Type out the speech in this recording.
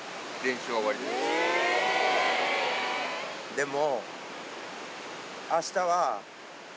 でも。